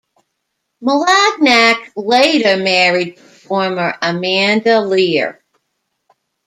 Malagnac later married performer Amanda Lear.